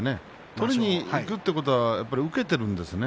取りにいくということはやっぱり受けているんですね。